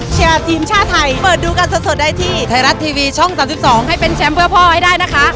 เชียร์ทีมชาติไทยเปิดดูกันสดได้ที่ไทยรัฐทีวีช่อง๓๒ให้เป็นแชมป์เพื่อพ่อให้ได้นะคะ